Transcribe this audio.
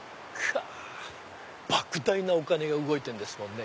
莫大なお金が動いてるんですもんね